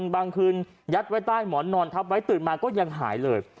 บางคืนยัดไว้ใต้หมอนนอนทับไว้ตื่นมาก็ยังหายเลย